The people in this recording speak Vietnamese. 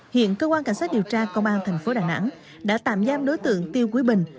hiện cơ quan cảnh sát điều tra công an thành phố đà nẵng đã tạm giam đối tượng tiêu quý bình